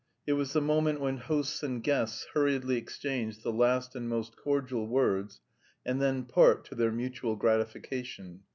It was the moment when hosts and guests hurriedly exchange the last and most cordial words, and then part to their mutual gratification.